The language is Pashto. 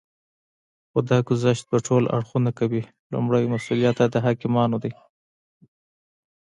خو دا ګذشت به ټول اړخونه کوي. لومړی مسئوليت یې د حاکمانو دی